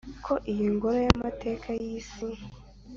ko iyi ngoro y’ amateka y’ isi